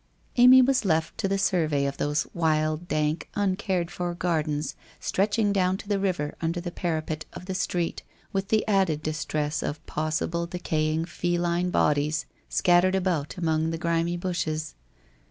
Amy was left to the survey of those wild dank uncared for gardens stretching down to the river under the para pet of the street, with the added distress of possible decay ing feline bodies, scattered about among the grimy bushes